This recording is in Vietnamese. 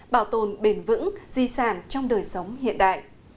bảo tồn bền vững di sản trong đời sống hiện đại